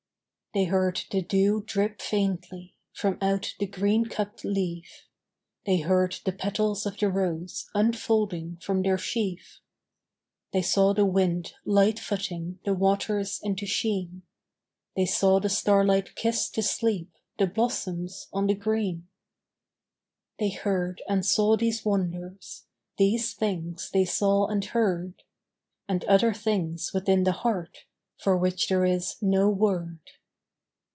They heard the dew drip faintly From out the green cupped leaf; They heard the petals of the rose Unfolding from their sheaf. They saw the wind light footing The waters into sheen; They saw the starlight kiss to sleep The blossoms on the green. They heard and saw these wonders; These things they saw and heard; And other things within the heart For which there is no word.